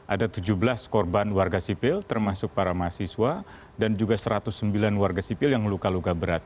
ada tujuh belas korban warga sipil termasuk para mahasiswa dan juga satu ratus sembilan warga sipil yang luka luka berat